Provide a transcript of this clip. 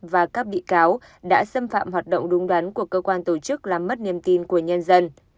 và các bị cáo đã xâm phạm hoạt động đúng đắn của cơ quan tổ chức làm mất niềm tin của nhân dân